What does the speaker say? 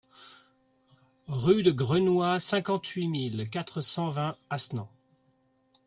Rue de Grenois, cinquante-huit mille quatre cent vingt Asnan